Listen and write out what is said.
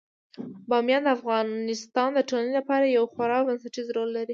بامیان د افغانستان د ټولنې لپاره یو خورا بنسټيز رول لري.